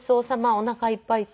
おなかいっぱい」って。